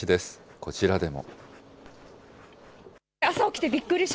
こちらでも。